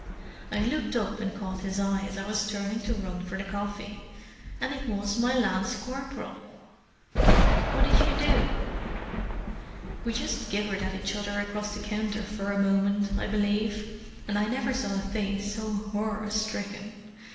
I looked up and caught his eye as I was turning to run for the coffee—and it was my lance corporal!" "What did you do?" "We just gibbered at each other across the counter for a moment, I believe—and I never saw a face so horror stricken!